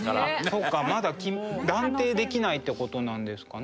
そうかまだ断定できないってことなんですかね？